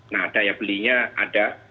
nah daya belinya ada